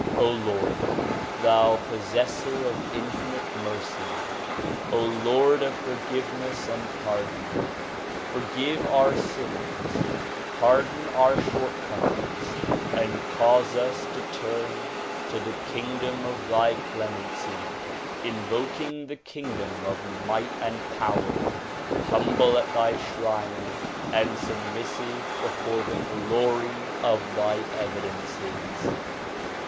Lord, thou possessor of infinite mercy ! Lord of forgiveness and pardon! forgive our sins, pardon our short comings and cause us to turn to the kingdom of thy clemency, in voking the kingdom of might and power, humble at thy shrine and submissive before the glory of thy evidences.